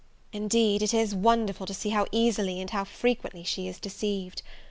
Indeed, it is wonderful to see how easily and how frequently she is deceived.